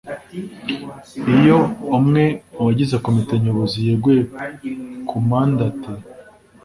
iyo umwe mu bagize komite nyobozi yeguye ku mandate